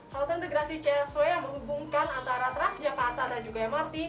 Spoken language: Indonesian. halte integrasi csw yang menghubungkan antara transjakarta dan juga mrt